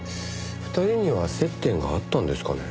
２人には接点があったんですかね？